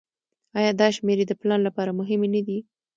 آیا دا شمیرې د پلان لپاره مهمې نه دي؟